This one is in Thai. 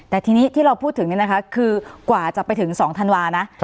แต่ที่เราพูดถึงแดงนะคะกว่าจะไปถึง๒ธันวาษณ์นะ